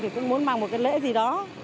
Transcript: thì cũng muốn mang một cái lễ gì đó